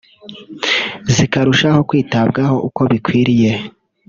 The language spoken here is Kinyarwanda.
zikarushaho kwitabwaho uko bikwiriye